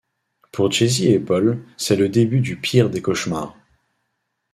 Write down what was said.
Pour Jessie et Paul, c'est le début du pire des cauchemars...